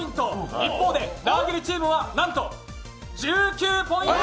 一方でラーゲリチームはなんと１９ポイント。